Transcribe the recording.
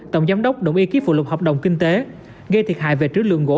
tổng giám đốc đồng ý ký phụ lục hợp đồng kinh tế gây thiệt hại về trữ lượng gỗ